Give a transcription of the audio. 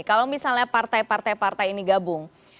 kalau misalnya partai partai ini gabung